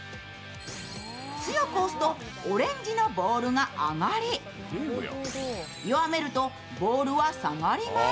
強く押すとオレンジのボールが上がり、弱めるとボールは下がります。